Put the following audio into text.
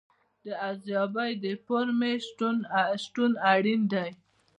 د ارزیابۍ د فورمې شتون اړین دی.